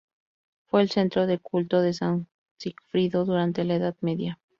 Fue el centro del culto de San Sigfrido durante la Edad Media.